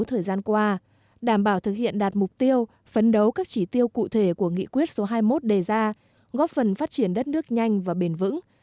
thời gian qua đảm bảo thực hiện đạt mục tiêu phấn đấu các chỉ tiêu cụ thể của nghị quyết số hai mươi một đề ra góp phần phát triển đất nước nhanh và bền vững